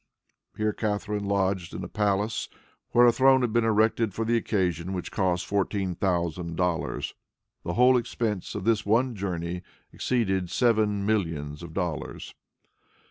Here Catharine lodged in a palace where a throne had been erected for the occasion which cost fourteen thousand dollars. The whole expense of this one journey exceeded seven millions of dollars.